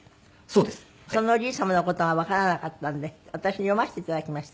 そのおじい様の事がわからなかったので私読ませていただきました。